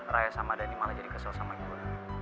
raya sama dani malah jadi kesel sama gue